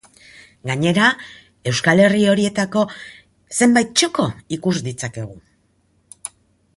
Gainera, euskal herri horietako zenbait txoko ikus ditzakegu.